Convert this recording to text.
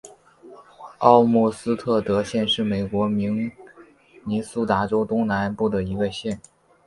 奥姆斯特德县是美国明尼苏达州东南部的一个县。